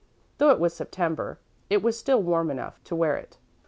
Though it was September, it was still warm enough to wear it.